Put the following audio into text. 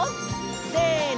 せの！